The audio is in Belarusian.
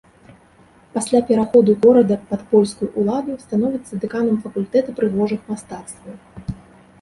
Пасля пераходу горада пад польскую ўладу становіцца дэканам факультэта прыгожых мастацтваў.